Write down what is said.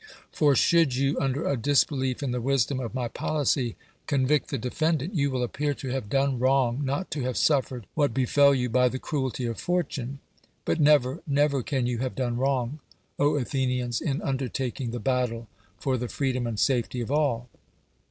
Fivr should you, under a disbelief in the Vvisdom of my policy convict 16i DEMOSTHENES the defendant, you will appear to have done wrong not to have suffered what befel you by the cruelty of fortune. But never, never can you have done wrong, Athenians, in undertaking the battle for the freedom and safet}^ of all